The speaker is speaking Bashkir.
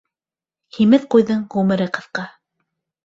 Һимеҙ ҡуйҙың ғүмере ҡыҫҡа.